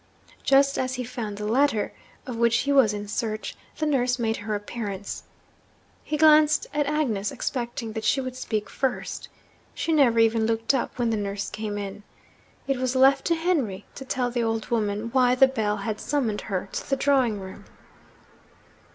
Just as he found the letter of which he was in search, the nurse made her appearance. He glanced at Agnes, expecting that she would speak first. She never even looked up when the nurse came in. It was left to Henry to tell the old woman why the bell had summoned her to the drawing room.